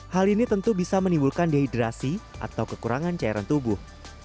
hal ini tentu bisa menimbulkan dehidrasi atau kekurangan cairan tubuh